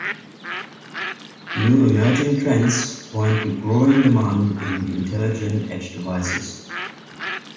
New emerging trends point to growing demand in intelligent edge devices.